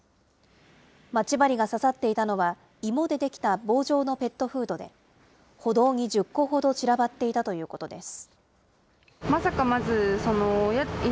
待ち針が刺さっていたのは、いもでできた棒状のペットフードで、歩道に１０個ほど散らばっていたということです。